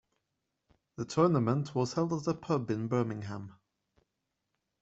The tournament was held at a pub in Birmingham.